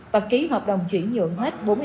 và ký hợp đồng tiền của công ty tân hồng uy